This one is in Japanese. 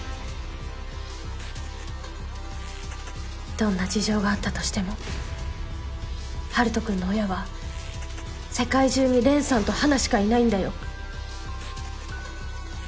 どんな事情があったとしても陽斗君の親は世界中に蓮さんと花しかいないんだよ。